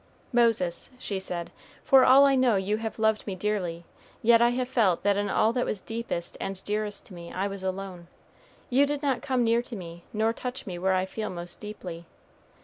"Moses," she said, "for all I know you have loved me dearly, yet I have felt that in all that was deepest and dearest to me, I was alone. You did not come near to me, nor touch me where I feel most deeply.